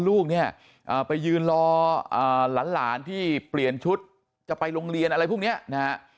ลูกเนี่ยไปยืนรอหลานที่เปลี่ยนชุดจะไปโรงเรียนอะไรพวกนี้นะฮะ